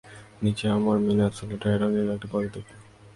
নিচে আমরা mean absolute error নির্ণয়ের একটি পদ্ধতি দেখবো।